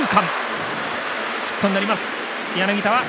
ヒットになります。